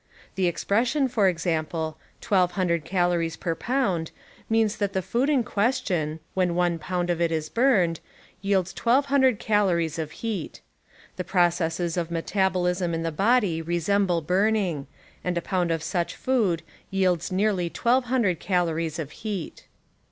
The expression for example. "1200 INutntive \,,,, p , 1 calories per pound means that the food in values question, when one pound of it is burned. yields 1200 calories of heat. The processes of metabol ism in the body resemble burning, and a pound of such food yields nearly 1200 calories of heat.